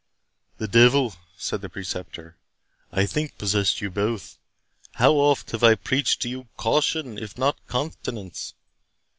"The devil," said the Preceptor, "I think, possessed you both. How oft have I preached to you caution, if not continence?